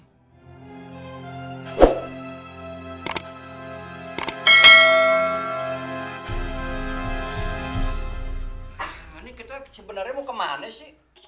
ini kita sebenarnya mau kemana sih